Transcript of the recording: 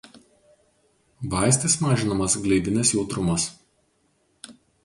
Vaistais mažinamas gleivinės jautrumas.